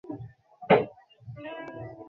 সামান্য খোঁচার পরিবর্তে জোরে আঘাত করা কঠিন কাজ।